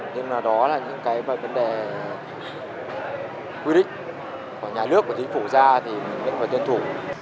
nhưng mà đó là những cái vấn đề quy định của nhà nước của chính phủ ra thì mình vẫn phải tuyên thủ